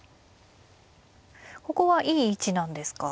ここはいい位置なんですか？